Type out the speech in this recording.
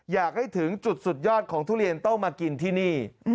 อยากให้ถึงจุดสุดยอดของทุเรียนต้องมากินที่นี่